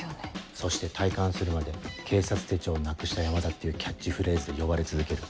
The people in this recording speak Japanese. そして退官するまで「警察手帳なくした山田」っていうキャッチフレーズで呼ばれ続ける。